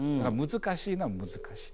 難しいのは難しい。